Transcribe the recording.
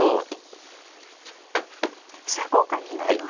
飛車交換になります。